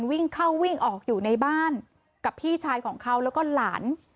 วิ่งเข้าวิ่งออกอยู่ในบ้านกับพี่ชายของเขาแล้วก็หลาน